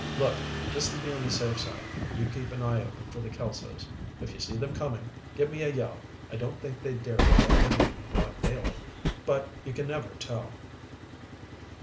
"Look, just to be on the safe side, you keep an eye open for the Kelsos. If you see them coming, give me a yell. I don't think they'd dare try anything in broad daylight, but you can never tell."